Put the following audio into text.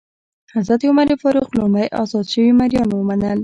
حضرت عمر فاروق لومړی ازاد شوي مریان ومنل.